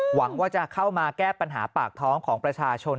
หวังว่าจะเข้ามาแก้ปัญหาปากท้องของประชาชน